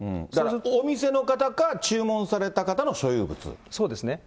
お店の方か、注文された方のそうですね。